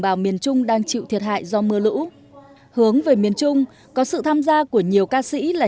bào miền trung đang chịu thiệt hại do mưa lũ hướng về miền trung có sự tham gia của nhiều ca sĩ là